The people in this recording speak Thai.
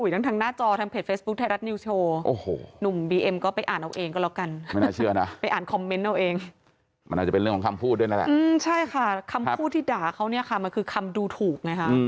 โอ้โหค่าวนี้คุณผู้ชมส่งความแสดงความคิดเห็นเยอะมาก